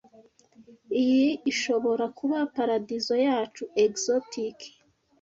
Iyi ishobora kuba paradizo yacu: exotic